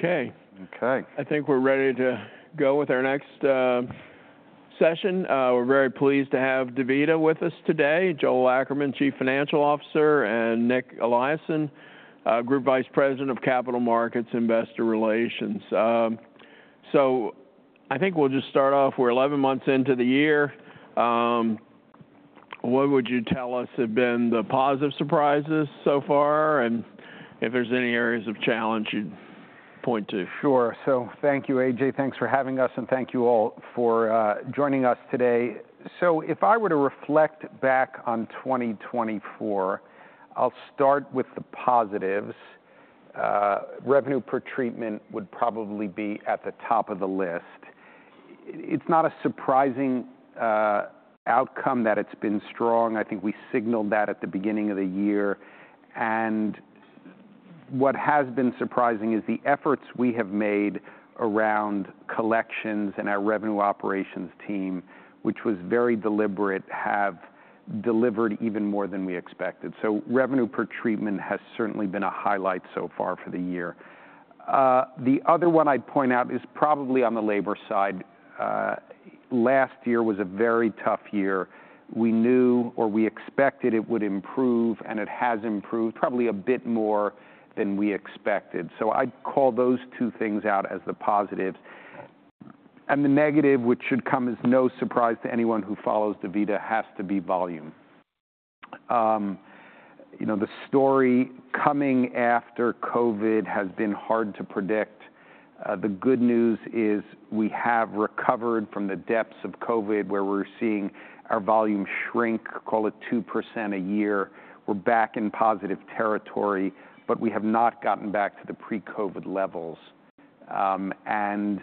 Okay. Okay. I think we're ready to go with our next session. We're very pleased to have DaVita with us today, Joel Ackerman, Chief Financial Officer, and Nic Eliason, Group Vice President of Capital Markets Investor Relations, so I think we'll just start off. We're 11 months into the year. What would you tell us have been the positive surprises so far, and if there's any areas of challenge you'd point to? Sure. So thank you, A.J. Thanks for having us, and thank you all for joining us today. So if I were to reflect back on 2024, I'll start with the positives. Revenue per treatment would probably be at the top of the list. It's not a surprising outcome that it's been strong. I think we signaled that at the beginning of the year. And what has been surprising is the efforts we have made around collections and our revenue operations team, which was very deliberate, have delivered even more than we expected. So revenue per treatment has certainly been a highlight so far for the year. The other one I'd point out is probably on the labor side. Last year was a very tough year. We knew, or we expected it would improve, and it has improved probably a bit more than we expected. So I'd call those two things out as the positives. And the negative, which should come as no surprise to anyone who follows DaVita, has to be volume. You know, the story coming after COVID has been hard to predict. The good news is we have recovered from the depths of COVID where we're seeing our volume shrink, call it 2% a year. We're back in positive territory, but we have not gotten back to the pre-COVID levels. And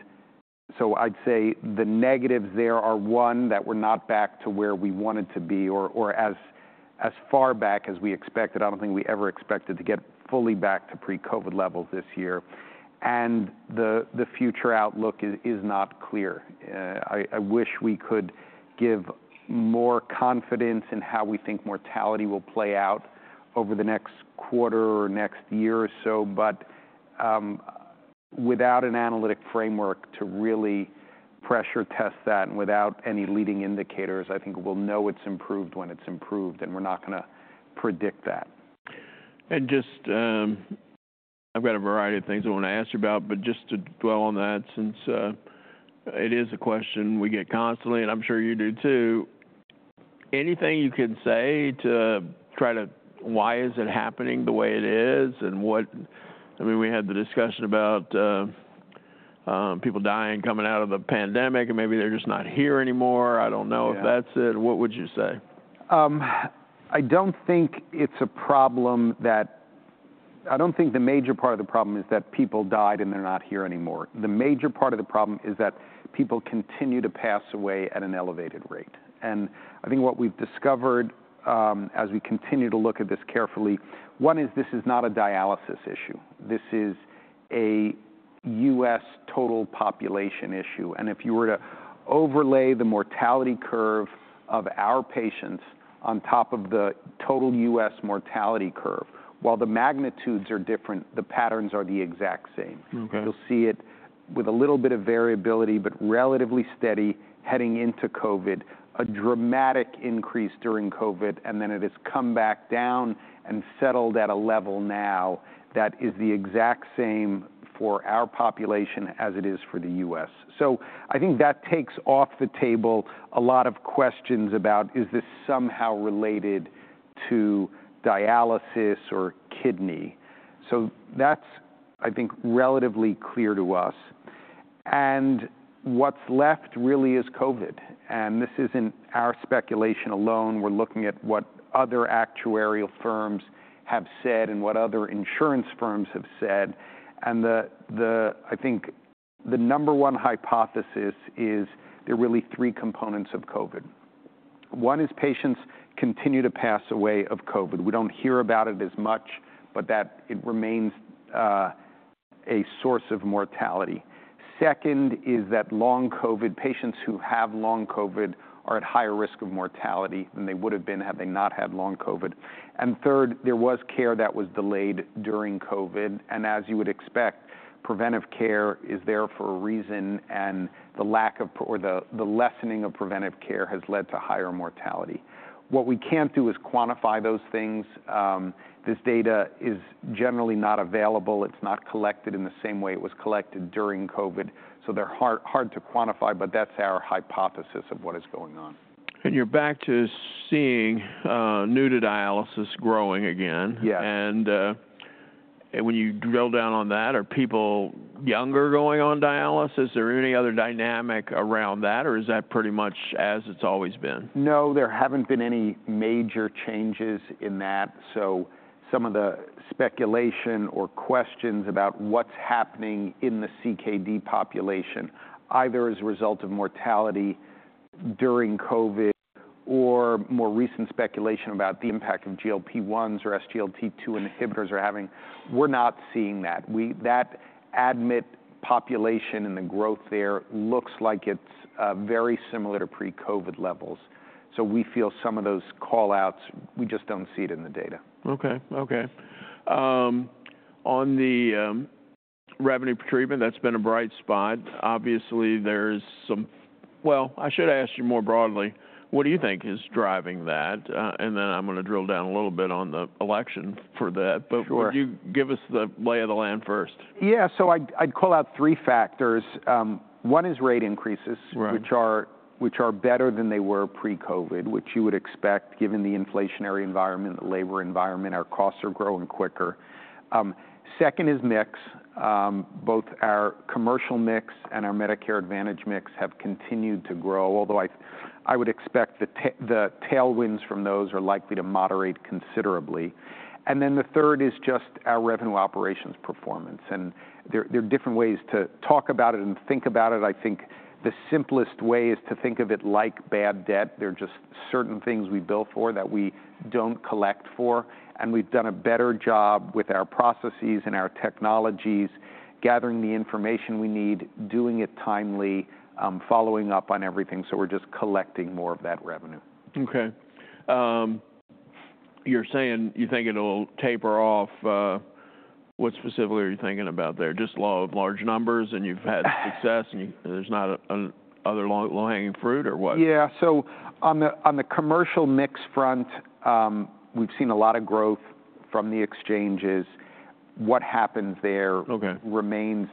so I'd say the negatives there are one, that we're not back to where we wanted to be, or as far back as we expected. I don't think we ever expected to get fully back to pre-COVID levels this year. And the future outlook is not clear. I wish we could give more confidence in how we think mortality will play out over the next quarter or next year or so, but without an analytic framework to really pressure test that, and without any leading indicators, I think we'll know it's improved when it's improved, and we're not gonna predict that. And just, I've got a variety of things I wanna ask you about, but just to dwell on that since it is a question we get constantly, and I'm sure you do too. Anything you can say to try to why is it happening the way it is, and what I mean, we had the discussion about people dying coming out of the pandemic, and maybe they're just not here anymore. I don't know if that's it. What would you say? I don't think the major part of the problem is that people died and they're not here anymore. The major part of the problem is that people continue to pass away at an elevated rate. I think what we've discovered, as we continue to look at this carefully, one is this is not a dialysis issue. This is a U.S. total population issue. And if you were to overlay the mortality curve of our patients on top of the total U.S. mortality curve, while the magnitudes are different, the patterns are the exact same. Okay. You'll see it with a little bit of variability, but relatively steady heading into COVID, a dramatic increase during COVID, and then it has come back down and settled at a level now that is the exact same for our population as it is for the U.S. So I think that takes off the table a lot of questions about is this somehow related to dialysis or kidney. So that's, I think, relatively clear to us. And what's left really is COVID. And this isn't our speculation alone. We're looking at what other actuarial firms have said and what other insurance firms have said. And the, I think the number one hypothesis is there are really three components of COVID. One is patients continue to pass away of COVID. We don't hear about it as much, but that it remains a source of mortality. Second is that Long COVID, patients who have Long COVID are at higher risk of mortality than they would have been had they not had Long COVID. And third, there was care that was delayed during COVID. And as you would expect, preventive care is there for a reason, and the lack of, or the lessening of preventive care has led to higher mortality. What we can't do is quantify those things. This data is generally not available. It's not collected in the same way it was collected during COVID. So they're hard, hard to quantify, but that's our hypothesis of what is going on. And you're back to seeing, new to dialysis growing again. Yes. When you drill down on that, are people younger going on dialysis? Is there any other dynamic around that, or is that pretty much as it's always been? No, there haven't been any major changes in that. So some of the speculation or questions about what's happening in the CKD population, either as a result of mortality during COVID or more recent speculation about the impact of GLP-1s or SGLT-2 inhibitors are having, we're not seeing that. The incident population and the growth there looks like it's very similar to pre-COVID levels. So we feel some of those callouts, we just don't see it in the data. Okay. Okay, on the revenue per treatment, that's been a bright spot. Obviously, there's some, well, I should ask you more broadly, what do you think is driving that? And then I'm gonna drill down a little bit on the election for that. Sure. But would you give us the lay of the land first? Yeah. So I'd call out three factors. One is rate increases. Right. Which are better than they were pre-COVID, which you would expect given the inflationary environment, the labor environment, our costs are growing quicker. Second is mix. Both our commercial mix and our Medicare Advantage mix have continued to grow, although I would expect the tailwinds from those are likely to moderate considerably. Then the third is just our revenue operations performance. There are different ways to talk about it and think about it. I think the simplest way is to think of it like bad debt. There are just certain things we bill for that we don't collect for. We've done a better job with our processes and our technologies, gathering the information we need, doing it timely, following up on everything. So we're just collecting more of that revenue. Okay. You're saying you're thinking it'll taper off. What specifically are you thinking about there? Just a lot of large numbers and you've had success and there's not another low-hanging fruit or what? Yeah. On the commercial mix front, we've seen a lot of growth from the exchanges. What happens there? Okay. Remains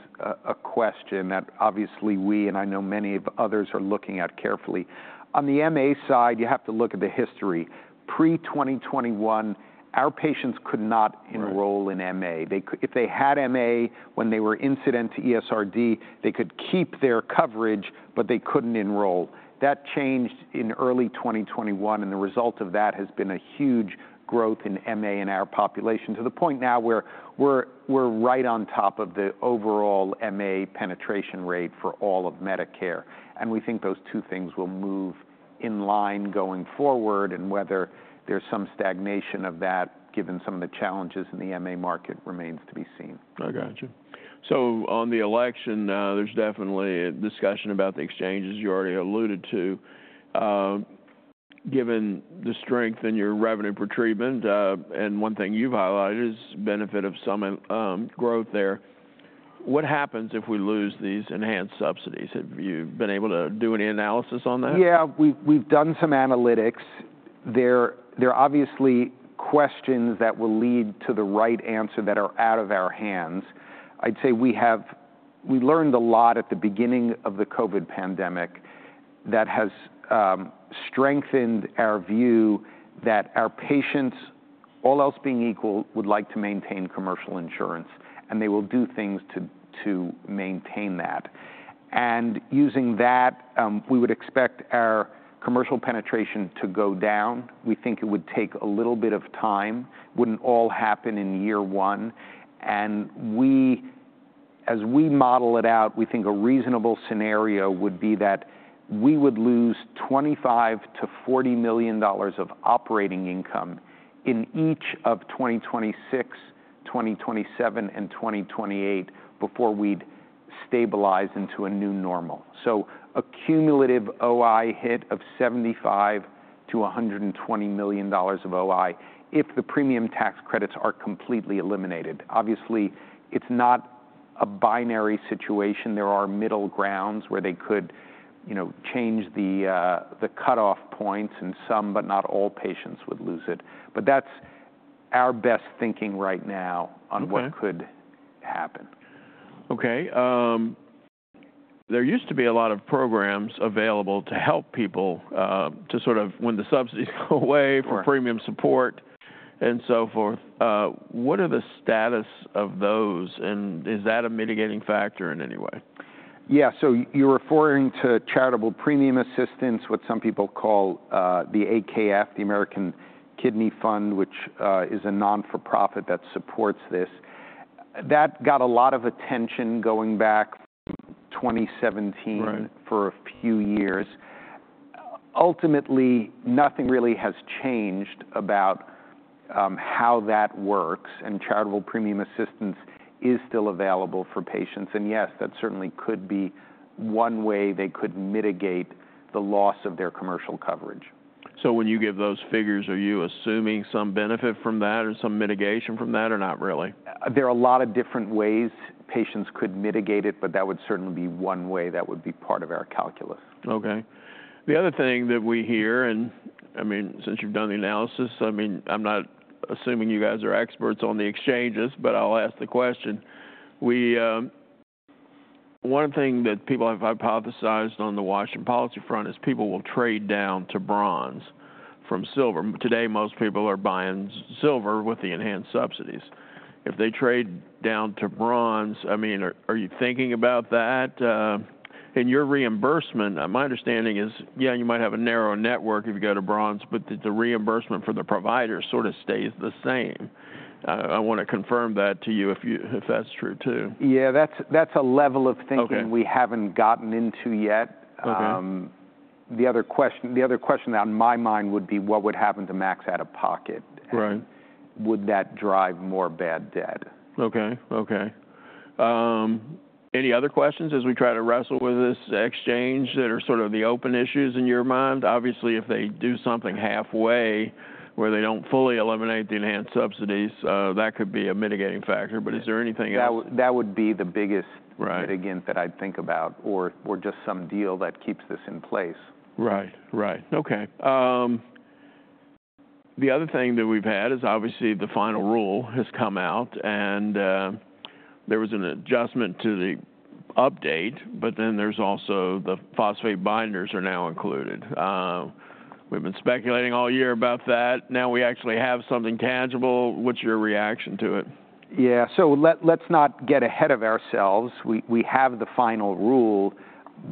a question that obviously we and I know many others are looking at carefully. On the MA side, you have to look at the history. Pre-2021, our patients could not enroll in MA. They could, if they had MA when they were incident to ESRD, they could keep their coverage, but they couldn't enroll. That changed in early 2021, and the result of that has been a huge growth in MA in our population to the point now where we're, we're right on top of the overall MA penetration rate for all of Medicare, and we think those two things will move in line going forward, and whether there's some stagnation of that given some of the challenges in the MA market remains to be seen. I gotcha. So on the election, there's definitely a discussion about the exchanges you already alluded to. Given the strength in your revenue per treatment, and one thing you've highlighted is benefit of some growth there. What happens if we lose these enhanced subsidies? Have you been able to do any analysis on that? Yeah. We've done some analytics. There are obviously questions that will lead to the right answer that are out of our hands. I'd say we learned a lot at the beginning of the COVID pandemic that strengthened our view that our patients, all else being equal, would like to maintain commercial insurance, and they will do things to maintain that. Using that, we would expect our commercial penetration to go down. We think it would take a little bit of time. It wouldn't all happen in year one. As we model it out, we think a reasonable scenario would be that we would lose $25 million-$40 million of operating income in each of 2026, 2027, and 2028 before we'd stabilize into a new normal. A cumulative OI hit of $75-$120 million of OI if the Premium Tax Credits are completely eliminated. Obviously, it's not a binary situation. There are middle grounds where they could, you know, change the cutoff points, and some, but not all patients would lose it. But that's our best thinking right now on what could happen. Okay. There used to be a lot of programs available to help people, to sort of, when the subsidies go away for premium support and so forth. What are the status of those, and is that a mitigating factor in any way? Yeah. So you're referring to charitable premium assistance, what some people call the AKF, the American Kidney Fund, which is a non-profit that supports this. That got a lot of attention going back from 2017. Right. For a few years. Ultimately, nothing really has changed about how that works, and charitable premium assistance is still available for patients. And yes, that certainly could be one way they could mitigate the loss of their commercial coverage. So when you give those figures, are you assuming some benefit from that or some mitigation from that or not really? There are a lot of different ways patients could mitigate it, but that would certainly be one way that would be part of our calculus. Okay. The other thing that we hear, and I mean, since you've done the analysis, I mean, I'm not assuming you guys are experts on the exchanges, but I'll ask the question. One thing that people have hypothesized on the Washington policy front is people will trade down to bronze from silver. Today, most people are buying silver with the enhanced subsidies. If they trade down to bronze, I mean, are you thinking about that in your reimbursement? My understanding is, yeah, you might have a narrow network if you go to bronze, but the reimbursement for the providers sort of stays the same. I wanna confirm that to you if that's true too. Yeah. That's, that's a level of thinking. Okay. We haven't gotten into yet. Okay. The other question that's on my mind would be what would happen to max out-of-pocket. Right. Would that drive more bad debt? Okay. Okay. Any other questions as we try to wrestle with this exchange that are sort of the open issues in your mind? Obviously, if they do something halfway where they don't fully eliminate the enhanced subsidies, that could be a mitigating factor. But is there anything else? That would be the biggest. Right. Mitigant that I'd think about or just some deal that keeps this in place. Right. Right. Okay. The other thing that we've had is obviously the final rule has come out, and there was an adjustment to the update, but then there's also the phosphate binders are now included. We've been speculating all year about that. Now we actually have something tangible. What's your reaction to it? Yeah. So let's not get ahead of ourselves. We have the final rule,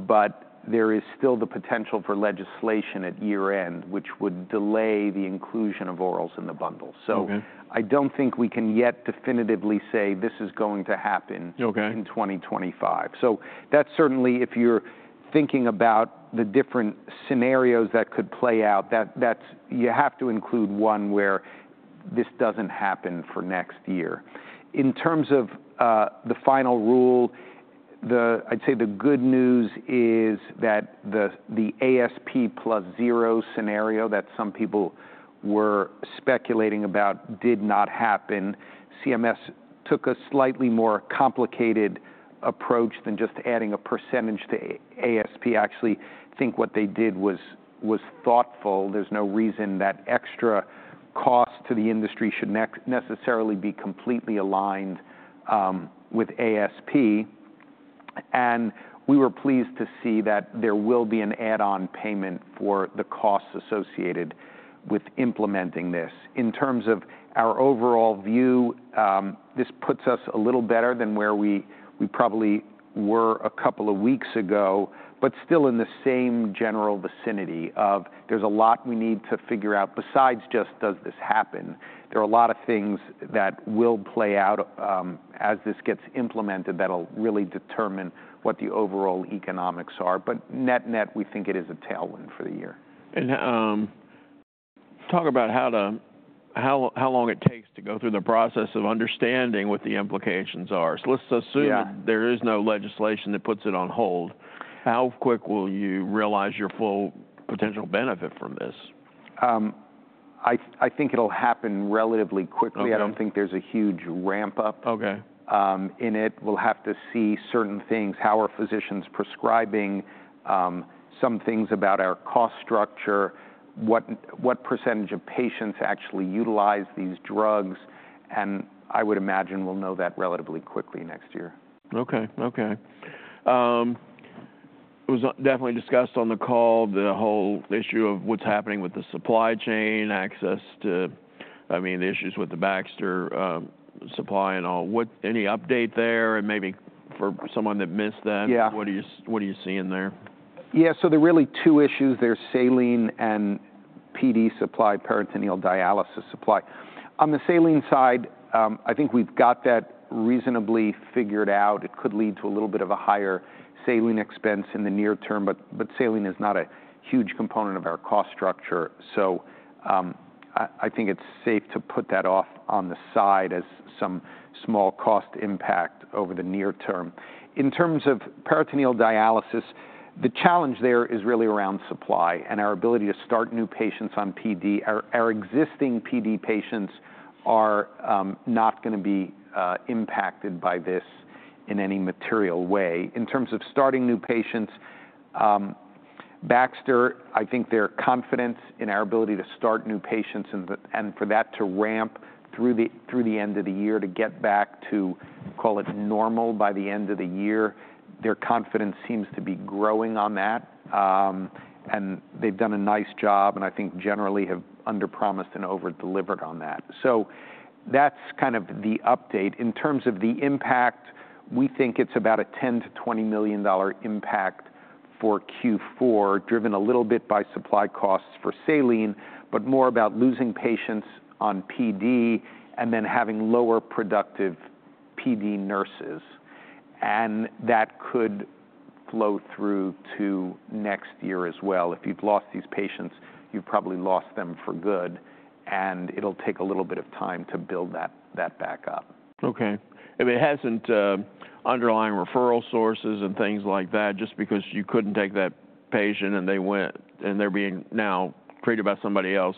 but there is still the potential for legislation at year-end, which would delay the inclusion of orals in the bundle. So. Okay. I don't think we can yet definitively say this is going to happen. Okay. In 2025. So that's certainly, if you're thinking about the different scenarios that could play out, that you have to include one where this doesn't happen for next year. In terms of the final rule, I'd say the good news is that the ASP plus zero scenario that some people were speculating about did not happen. CMS took a slightly more complicated approach than just adding a percentage to ASP. Actually, I think what they did was thoughtful. There's no reason that extra cost to the industry should necessarily be completely aligned with ASP. And we were pleased to see that there will be an add-on payment for the costs associated with implementing this. In terms of our overall view, this puts us a little better than where we probably were a couple of weeks ago, but still in the same general vicinity of there's a lot we need to figure out besides just does this happen. There are a lot of things that will play out, as this gets implemented that'll really determine what the overall economics are. But net-net, we think it is a tailwind for the year. Talk about how long it takes to go through the process of understanding what the implications are. Let's assume. Yeah. That there is no legislation that puts it on hold. How quick will you realize your full potential benefit from this? I think it'll happen relatively quickly. Okay. I don't think there's a huge ramp-up. Okay. in it. We'll have to see certain things, how are physicians prescribing, some things about our cost structure, what percentage of patients actually utilize these drugs. And I would imagine we'll know that relatively quickly next year. Okay. Okay. It was definitely discussed on the call, the whole issue of what's happening with the supply chain, access to, I mean, the issues with the Baxter supply and all. What? Any update there? And maybe for someone that missed that. Yeah. What are you seeing there? Yeah. So there are really two issues. There's saline and PD supply, peritoneal dialysis supply. On the saline side, I think we've got that reasonably figured out. It could lead to a little bit of a higher saline expense in the near term, but saline is not a huge component of our cost structure. So, I think it's safe to put that off on the side as some small cost impact over the near term. In terms of peritoneal dialysis, the challenge there is really around supply and our ability to start new patients on PD. Our existing PD patients are not gonna be impacted by this in any material way. In terms of starting new patients, Baxter, I think their confidence in our ability to start new patients and for that to ramp through the end of the year to get back to, call it normal by the end of the year, their confidence seems to be growing on that. And they've done a nice job and I think generally have under-promised and over-delivered on that. So that's kind of the update. In terms of the impact, we think it's about a $10 million-$20 million impact for Q4, driven a little bit by supply costs for saline, but more about losing patients on PD and then having lower productive PD nurses. And that could flow through to next year as well. If you've lost these patients, you've probably lost them for good, and it'll take a little bit of time to build that, that back up. Okay. If it hasn't, underlying referral sources and things like that, just because you couldn't take that patient and they went and they're being now treated by somebody else,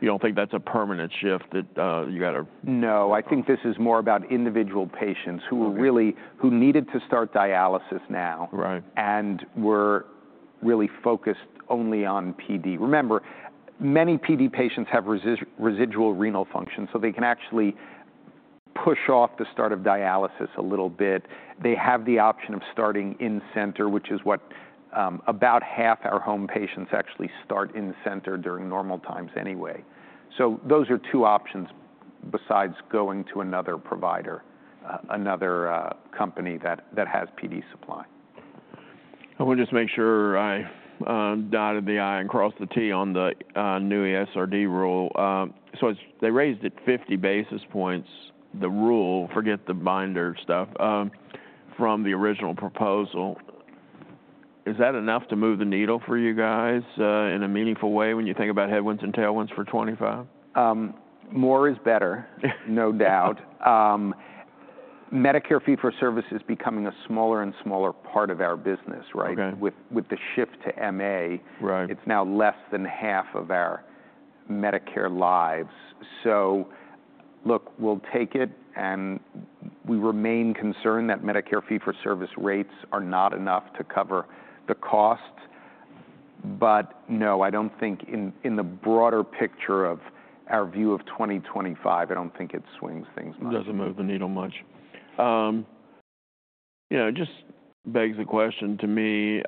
you don't think that's a permanent shift that, you gotta. No. I think this is more about individual patients who were really. Right. Who needed to start dialysis now? Right. We're really focused only on PD. Remember, many PD patients have residual renal function, so they can actually push off the start of dialysis a little bit. They have the option of starting in center, which is what about half our home patients actually start in center during normal times anyway. So those are two options besides going to another provider, another company that has PD supply. I wanna just make sure I dotted the i's and crossed the t's on the new ESRD rule. So it's they raised it 50 basis points, the rule, forget the binder stuff, from the original proposal. Is that enough to move the needle for you guys in a meaningful way when you think about headwinds and tailwinds for 2025? more is better. No doubt. Medicare Fee-For-Service is becoming a smaller and smaller part of our business, right? Okay. With the shift to MA. Right. It's now less than half of our Medicare lives. So look, we'll take it and we remain concerned that Medicare Fee-For-Service rates are not enough to cover the cost. But no, I don't think in the broader picture of our view of 2025, I don't think it swings things much. It doesn't move the needle much. You know, it just begs the question to me,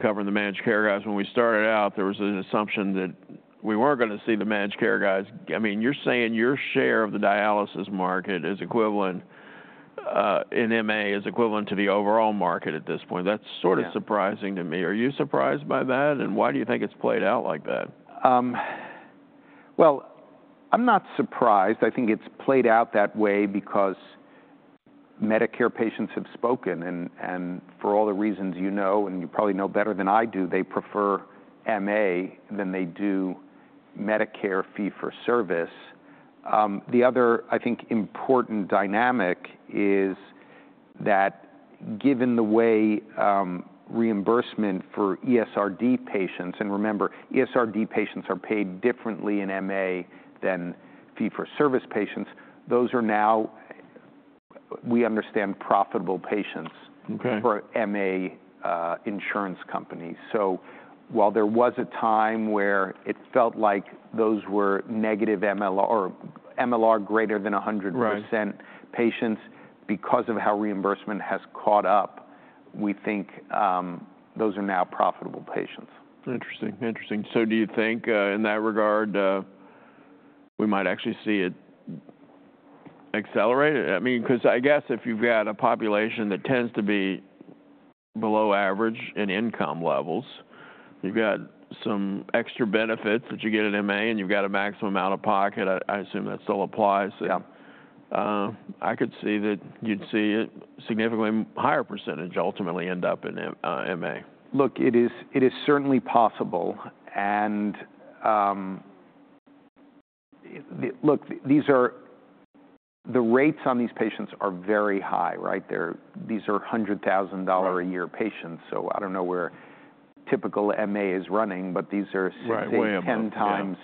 covering the managed care guys, when we started out, there was an assumption that we weren't gonna see the managed care guys. I mean, you're saying your share of the dialysis market is equivalent, in MA is equivalent to the overall market at this point. That's sort of. Yeah. Surprising to me. Are you surprised by that? And why do you think it's played out like that? Well, I'm not surprised. I think it's played out that way because Medicare patients have spoken and for all the reasons you know, and you probably know better than I do, they prefer MA than they do Medicare Fee-For-Service. The other, I think, important dynamic is that given the way reimbursement for ESRD patients, and remember, ESRD patients are paid differently in MA than Fee-For-Service patients, those are now, we understand, profitable patients. Okay. For MA, insurance companies. So while there was a time where it felt like those were negative MLR or MLR greater than 100%. Right. Patients, because of how reimbursement has caught up, we think, those are now profitable patients. Interesting. Interesting. So do you think, in that regard, we might actually see it accelerate? I mean, 'cause I guess if you've got a population that tends to be below average in income levels, you've got some extra benefits that you get in MA and you've got a maximum out of pocket. I, I assume that still applies. Yeah. I could see that you'd see a significantly higher percentage ultimately end up in MA. Look, it is certainly possible. Look, these are the rates on these patients are very high, right? These are $100,000 a year patients. So I don't know where typical MA is running, but these are simply. Right. Way above. 10 times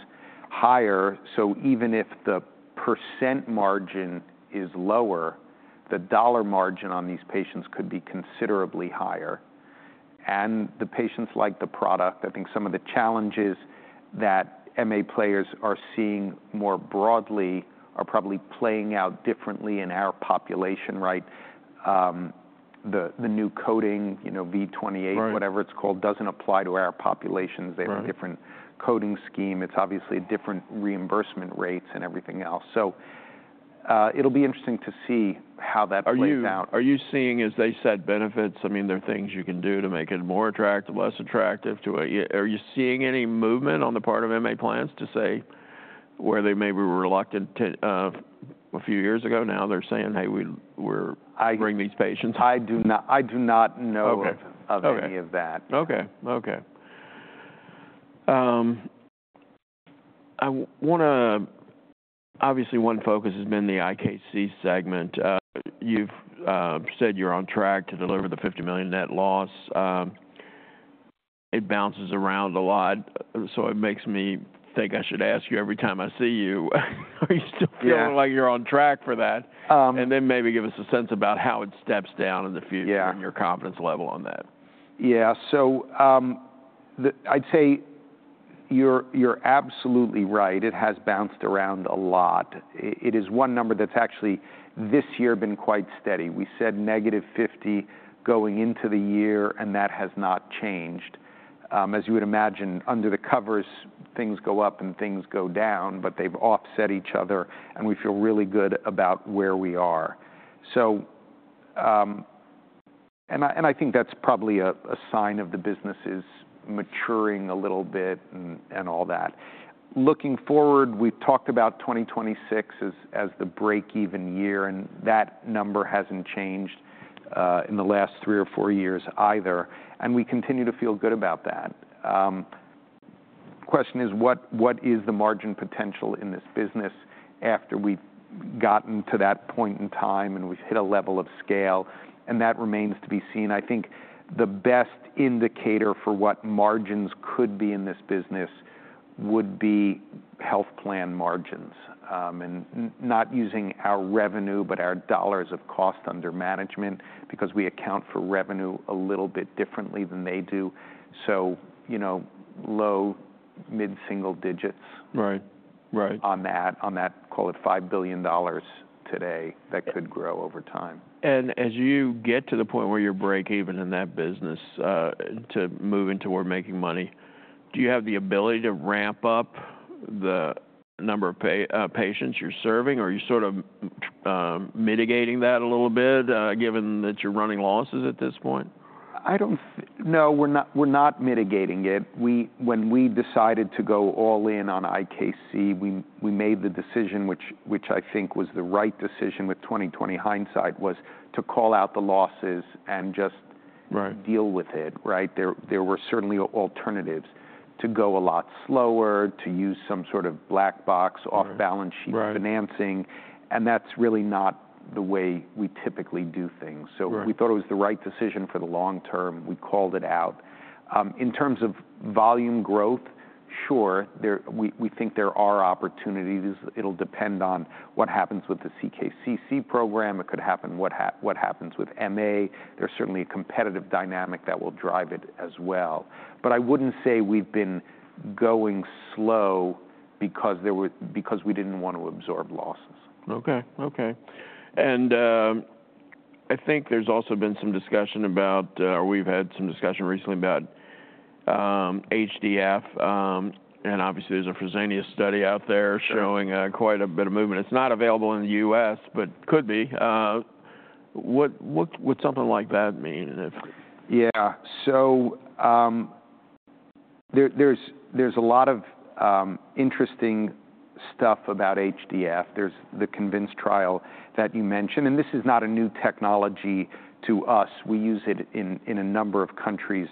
higher. So even if the % margin is lower, the dollar margin on these patients could be considerably higher. And the patients like the product. I think some of the challenges that MA players are seeing more broadly are probably playing out differently in our population, right? The new coding, you know, V28. Right. Whatever it's called, doesn't apply to our populations. They have a different coding scheme. It's obviously different reimbursement rates and everything else. So, it'll be interesting to see how that plays out. Are you seeing, as they said, benefits? I mean, there are things you can do to make it more attractive, less attractive to a, are you seeing any movement on the part of MA plans to say where they maybe were reluctant to, a few years ago, now they're saying, "Hey, we, we're. I. Bring these patients? I do not know of. Okay. Of any of that. Okay. Okay. I wanna, obviously one focus has been the IKC segment. You've said you're on track to deliver the $50 million net loss. It bounces around a lot. So it makes me think I should ask you every time I see you, are you still feeling like you're on track for that? And then maybe give us a sense about how it steps down in the future. Yeah. And your confidence level on that? Yeah. So, I'd say you're absolutely right. It has bounced around a lot. It is one number that's actually this year been quite steady. We said negative 50 going into the year and that has not changed. As you would imagine, under the covers, things go up and things go down, but they've offset each other and we feel really good about where we are. So, and I think that's probably a sign of the business is maturing a little bit and all that. Looking forward, we've talked about 2026 as the break-even year and that number hasn't changed in the last three or four years either. And we continue to feel good about that. The question is what is the margin potential in this business after we've gotten to that point in time and we've hit a level of scale? And that remains to be seen. I think the best indicator for what margins could be in this business would be health plan margins and not using our revenue, but our dollars of cost under management because we account for revenue a little bit differently than they do. So, you know, low, mid-single digits. Right. Right. On that, call it $5 billion today that could grow over time. As you get to the point where you're break-even in that business, to moving toward making money, do you have the ability to ramp up the number of paying patients you're serving or are you sort of mitigating that a little bit, given that you're running losses at this point? I don't. No, we're not mitigating it. When we decided to go all in on IKC, we made the decision, which I think was the right decision with 2020 hindsight, to call out the losses and just. Right. Deal with it, right? There were certainly alternatives to go a lot slower, to use some sort of black box off-balance sheet financing. Right. That's really not the way we typically do things. Right. So we thought it was the right decision for the long term. We called it out. In terms of volume growth, sure, we think there are opportunities. It'll depend on what happens with the CKCC program. It could happen what happens with MA. There's certainly a competitive dynamic that will drive it as well. But I wouldn't say we've been going slow because we didn't wanna absorb losses. Okay. Okay. And, I think there's also been some discussion about, or we've had some discussion recently about, HDF, and obviously there's a Fresenius study out there. Sure. Showing quite a bit of movement. It's not available in the U.S., but could be. What's something like that mean if? Yeah. So, there's a lot of interesting stuff about HDF. There's the CONVINCE trial that you mentioned, and this is not a new technology to us. We use it in a number of countries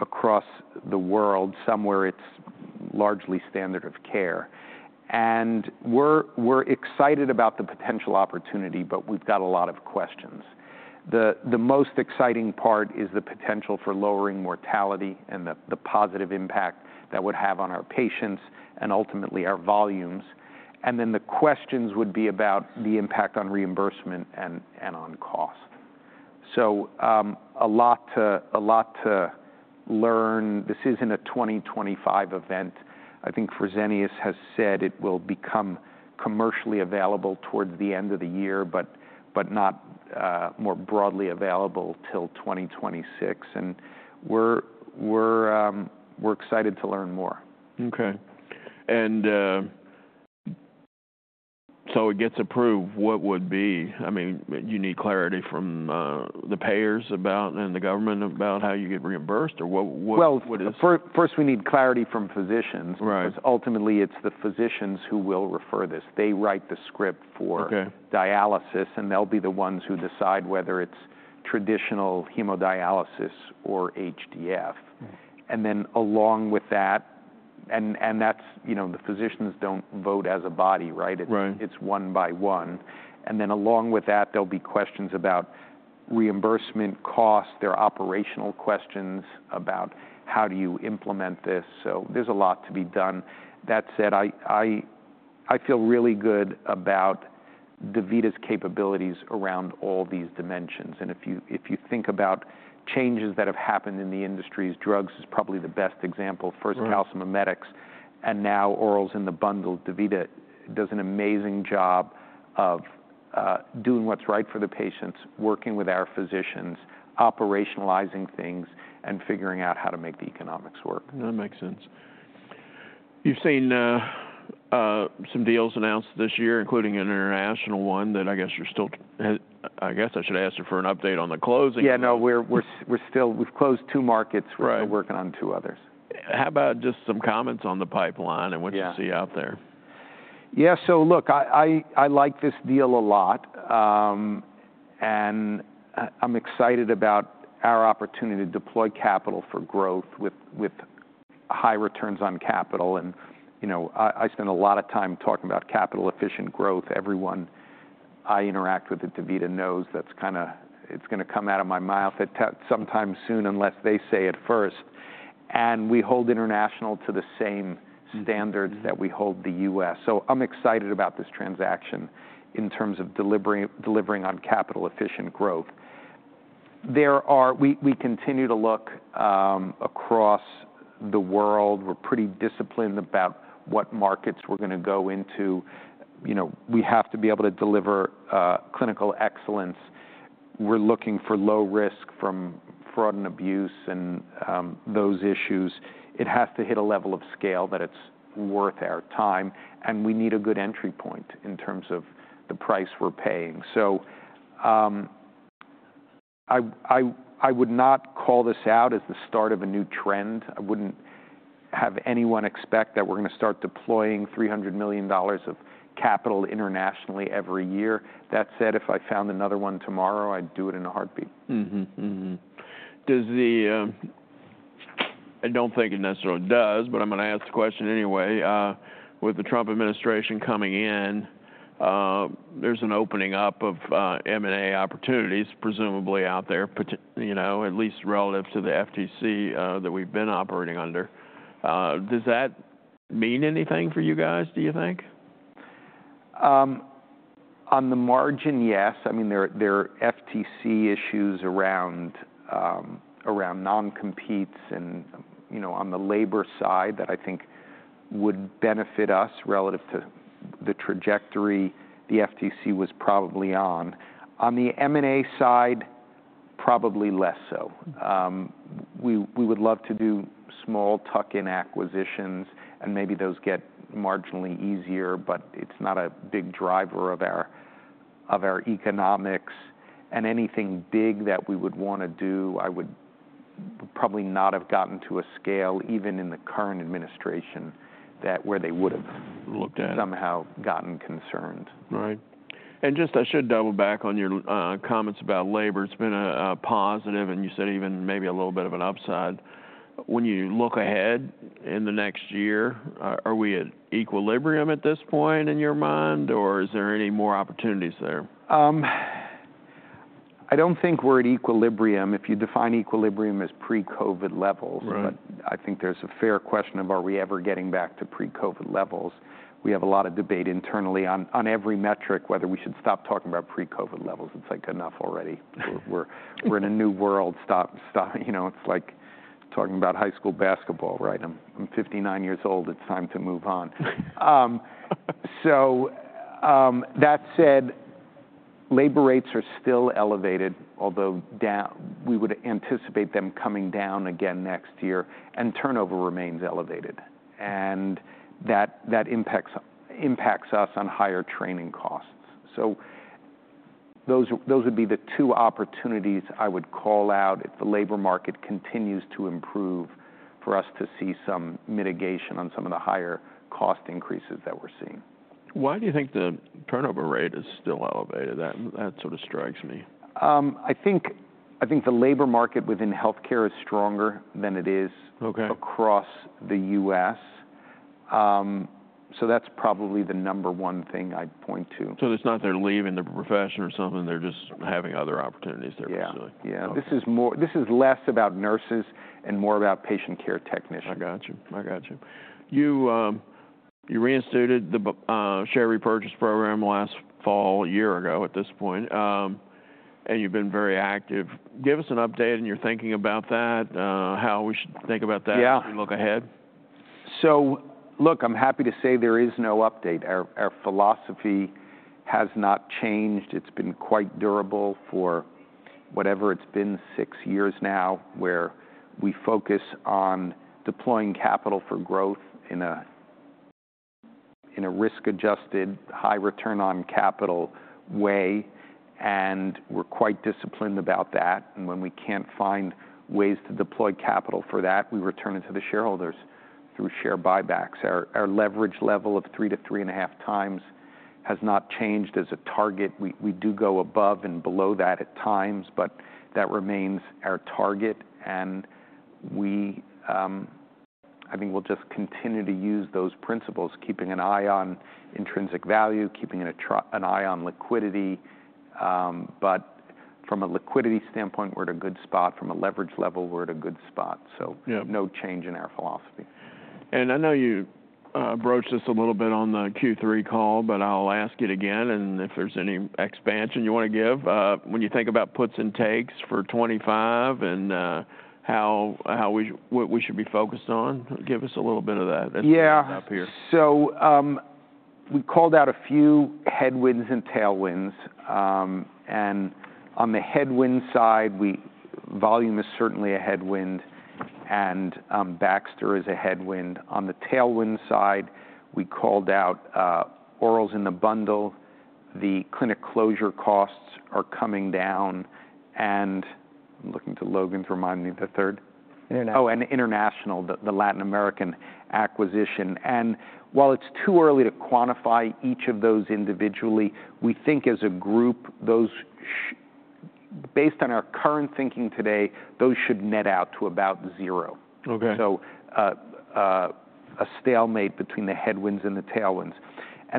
across the world, somewhere it's largely standard of care, and we're excited about the potential opportunity, but we've got a lot of questions. The most exciting part is the potential for lowering mortality and the positive impact that would have on our patients and ultimately our volumes, and then the questions would be about the impact on reimbursement and on cost, so a lot to learn. This isn't a 2025 event. I think Fresenius has said it will become commercially available towards the end of the year, but not more broadly available till 2026, and we're excited to learn more. Okay, and so it gets approved, what would be? I mean, you need clarity from the payers about and the government about how you get reimbursed or what is? First, we need clarity from physicians. Right. 'Cause ultimately it's the physicians who will refer this. They write the script for. Okay. Dialysis, and they'll be the ones who decide whether it's traditional hemodialysis or HDF, and then along with that, and that's, you know, the physicians don't vote as a body, right? Right. It's one by one. And then along with that, there'll be questions about reimbursement costs, their operational questions about how do you implement this. So there's a lot to be done. That said, I feel really good about DaVita's capabilities around all these dimensions. And if you think about changes that have happened in the industries, drugs is probably the best example. Right. First, calcimimetics, and now orals in the bundle. DaVita does an amazing job of doing what's right for the patients, working with our physicians, operationalizing things, and figuring out how to make the economics work. That makes sense. You've seen some deals announced this year, including an international one that I guess you're still, I guess I should ask you for an update on the closing. Yeah. No, we're still, we've closed two markets. Right. We're still working on two others. How about just some comments on the pipeline and what you see out there? Yeah. Yeah. So look, I like this deal a lot. And I'm excited about our opportunity to deploy capital for growth with high returns on capital. And, you know, I spend a lot of time talking about capital efficient growth. Everyone I interact with at DaVita knows that's kind of. It's gonna come out of my mouth at sometime soon unless they say it first. And we hold international to the same standards that we hold the U.S. So I'm excited about this transaction in terms of delivering on capital efficient growth. We continue to look across the world. We're pretty disciplined about what markets we're gonna go into. You know, we have to be able to deliver clinical excellence. We're looking for low risk from fraud and abuse and those issues. It has to hit a level of scale that it's worth our time. And we need a good entry point in terms of the price we're paying. So, I would not call this out as the start of a new trend. I wouldn't have anyone expect that we're gonna start deploying $300 million of capital internationally every year. That said, if I found another one tomorrow, I'd do it in a heartbeat. Mm-hmm. Mm-hmm. Does the, I don't think it necessarily does, but I'm gonna ask the question anyway. With the Trump administration coming in, there's an opening up of M&A opportunities, presumably out there, you know, at least relative to the FTC that we've been operating under. Does that mean anything for you guys, do you think? On the margin, yes. I mean, there are FTC issues around non-competes and, you know, on the labor side that I think would benefit us relative to the trajectory the FTC was probably on. On the M&A side, probably less so. We would love to do small tuck-in acquisitions and maybe those get marginally easier, but it's not a big driver of our economics. And anything big that we would wanna do, I would probably not have gotten to a scale even in the current administration that where they would've. Looked at. Somehow gotten concerned. Right. And just, I should double back on your comments about labor. It's been a positive and you said even maybe a little bit of an upside. When you look ahead in the next year, are we at equilibrium at this point in your mind or is there any more opportunities there? I don't think we're at equilibrium. If you define equilibrium as pre-COVID levels. Right. But I think there's a fair question of are we ever getting back to pre-COVID levels. We have a lot of debate internally on every metric whether we should stop talking about pre-COVID levels. It's like enough already. We're in a new world. Stop, stop, you know, it's like talking about high school basketball, right? I'm 59 years old. It's time to move on. So, that said, labor rates are still elevated, although down. We would anticipate them coming down again next year and turnover remains elevated. And that impacts us on higher training costs. So those would be the two opportunities I would call out if the labor market continues to improve for us to see some mitigation on some of the higher cost increases that we're seeing. Why do you think the turnover rate is still elevated? That, that sort of strikes me. I think the labor market within healthcare is stronger than it is. Okay. Across the U.S., so that's probably the number one thing I'd point to. So it's not they're leaving the profession or something. They're just having other opportunities there basically. Yeah. Yeah. This is less about nurses and more about patient care technicians. I gotcha. You reinstated the share repurchase program last fall, a year ago at this point. And you've been very active. Give us an update on your thinking about that, how we should think about that. Yeah. As we look ahead. So look, I'm happy to say there is no update. Our philosophy has not changed. It's been quite durable for whatever it's been six years now where we focus on deploying capital for growth in a risk-adjusted high return on capital way. And we're quite disciplined about that. And when we can't find ways to deploy capital for that, we return it to the shareholders through share buybacks. Our leverage level of three to three and a half times has not changed as a target. We do go above and below that at times, but that remains our target. And we, I think we'll just continue to use those principles, keeping an eye on intrinsic value, keeping an eye on liquidity. But from a liquidity standpoint, we're at a good spot. From a leverage level, we're at a good spot. So. Yeah. No change in our philosophy. I know you broached this a little bit on the Q3 call, but I'll ask it again. If there's any expansion you wanna give, when you think about puts and takes for 2025 and what we should be focused on, give us a little bit of that as we come up here. Yeah. So, we called out a few headwinds and tailwinds. On the headwind side, our volume is certainly a headwind. Baxter is a headwind. On the tailwind side, we called out orals in the bundle. The clinic closure costs are coming down. I'm looking to Logan to remind me of the third. International. Oh, and international, the Latin American acquisition. While it's too early to quantify each of those individually, we think as a group, those should, based on our current thinking today, net out to about zero. Okay. A stalemate between the headwinds and the tailwinds.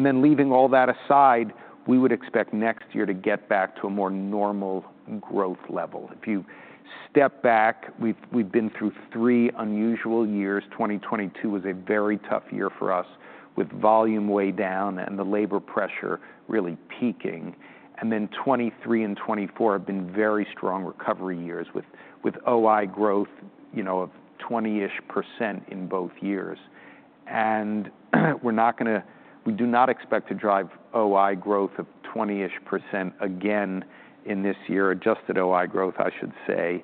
Then leaving all that aside, we would expect next year to get back to a more normal growth level. If you step back, we've been through three unusual years. 2022 was a very tough year for us with volume way down and the labor pressure really peaking. Then 2023 and 2024 have been very strong recovery years with OI growth, you know, of 20%-ish in both years. We're not gonna, we do not expect to drive OI growth of 20%-ish again in this year, adjusted OI growth, I should say.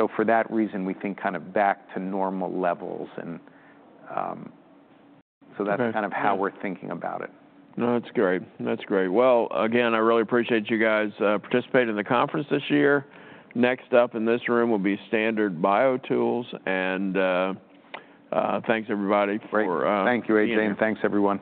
That's kind of how we're thinking about it. No, that's great. That's great. Well, again, I really appreciate you guys participating in the conference this year. Next up in this room will be Standard BioTools. And, thanks everybody for, Thank you, A.J., and thanks everyone.